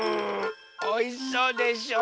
おいしそうでしょ？